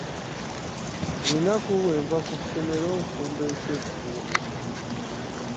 Buli lunaku bwenva ku ssomero nfumba ekyegulo.